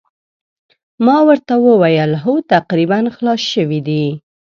ما ورته وویل هو تقریباً خلاص شوي دي.